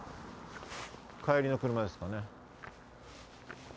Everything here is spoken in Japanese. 帰りの車ですかね？